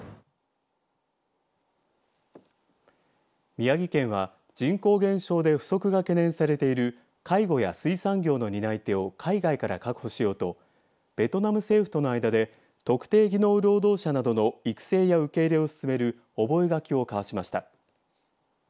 宮城県は人口減少で不足が懸念されている介護や水産業の担い手を海外から確保しようとベトナム政府との間で特定技能労働者などの育成や受け入れを進める覚書を交わしました。